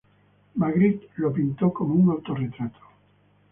Magritte lo pintó como un autorretrato.